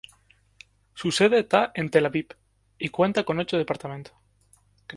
Su sede está en Tel Aviv y cuenta con ocho departamentos.